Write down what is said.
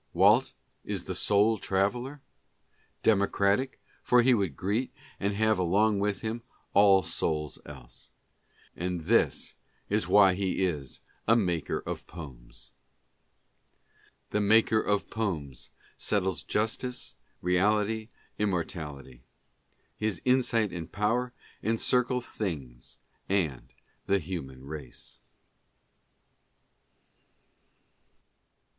Walt is the soul traveller? Democratic, for he would greet, and have along with him, all souls else. And this is why he is " a maker of poems." " The maker of poems settles justice, reality, immortality, His insight and power encircle things and the human race."